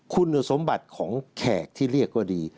คุณสมบัติของแขกที่เรียกว่าดี